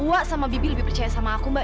gue sama bibi lebih percaya sama aku mbak